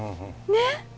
ねっ？